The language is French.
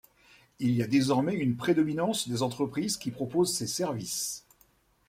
Il y a désormais une prédominance des entreprises qui proposent ces services.